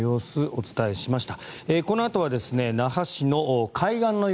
お伝えしました。